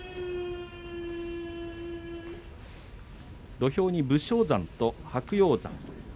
土俵に武将山と白鷹山。